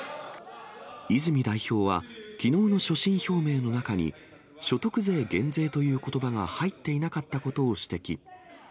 泉代表は、きのうの所信表明の中に、所得税減税ということばが入っていなかったことを指摘。